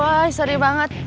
aduh boy serius banget